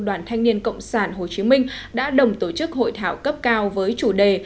đoàn thanh niên cộng sản hồ chí minh đã đồng tổ chức hội thảo cấp cao với chủ đề